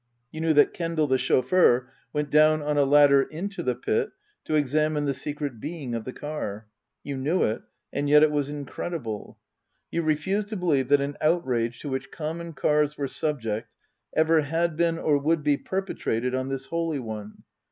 You knew that Kendal, the chauffeur, went down on a ladder into the pit to examine the secret being of the car ; you knew it and yet it was incredible. You refused to believe that an outrage to which common cars were subject ever had been or would be perpetrated on this holy one.